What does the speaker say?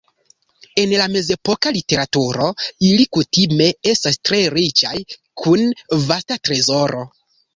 En la mezepoka literaturo, ili kutime estas tre riĉaj kun vasta trezoro.